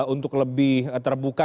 untuk lebih terbuka